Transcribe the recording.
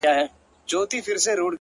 o ستا خو صرف خندا غواړم چي تا غواړم،